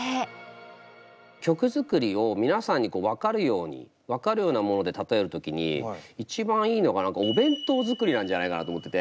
曲作りを皆さんに分かるように分かるようなもので例える時に一番いいのが何かお弁当作りなんじゃないかなと思ってて。